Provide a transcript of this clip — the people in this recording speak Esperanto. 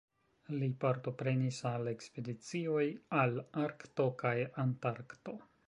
Li partoprenis al ekspedicioj al Arkto kaj Antarkto.